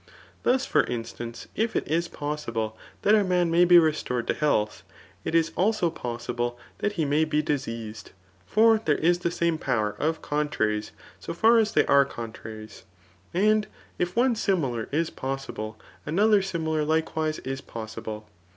Thus, fer instance, if it is possible that a man may be restored to health, it is also possible that he may be diseased ; for diere is the same power of contraries so far as diey are contraries. And iiP one similar is possible, another simi* lar likewise is possible.